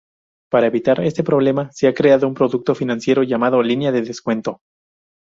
Para evitar este problema se ha creado un producto financiero llamado línea de descuento.